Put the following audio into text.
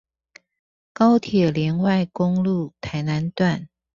高鐵聯外公路臺南段